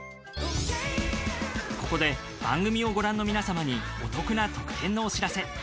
ここで番組をご覧の皆様にお得な特典のお知らせ。